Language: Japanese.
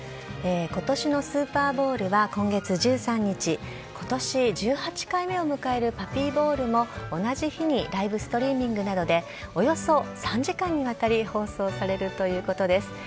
今年のスーパーボウルは今月１３日今年１８回目を迎える「パピーボウル」も同じ日にライブストリーミングなどでおよそ３時間にわたり放送されるということです。